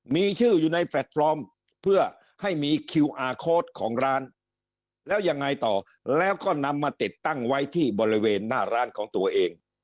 มีชื่ออยู่ในแฟลตฟอร์มเพื่อให้มีคิวอาร์โค้ดของร้านแล้วยังไงต่อแล้วก็นำมาติดตั้งไว้ที่บริเวณหน้าร้านของตัวเอง